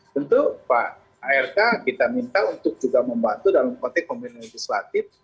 tentu pak rk kita minta untuk juga membantu dalam partai komunitas legislatif